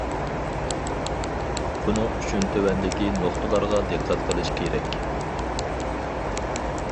بۇنىڭ ئۈچۈن تۆۋەندىكى نۇقتىلارغا دىققەت قىلىش كېرەك.